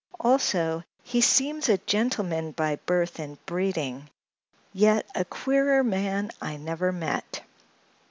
"Also, he seems a gentleman by birth and breeding, yet a queerer man I never met.